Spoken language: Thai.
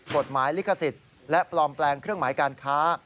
กฎหมายลิขสิทธิ์และปลอมแปลงเครื่องหมายการค้า